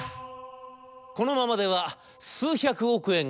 このままでは数百億円が水の泡。